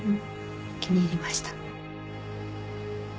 気に入りました。